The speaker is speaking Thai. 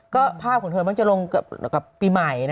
ก็ภาพเขาเตือนมันจะลงกับปีใหม่